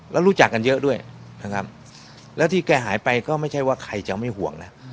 แล้วรู้จักกันเยอะด้วยนะครับแล้วที่แกหายไปก็ไม่ใช่ว่าใครจะไม่ห่วงนะ